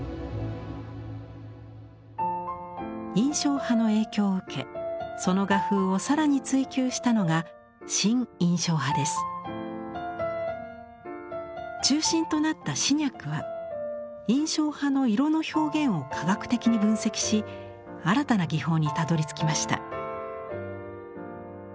印象派の影響を受けその画風を更に追求したのが中心となったシニャックは印象派の色の表現を科学的に分析し新たな技法にたどりつきました。